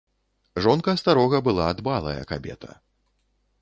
Жонка старога была дбалая кабета.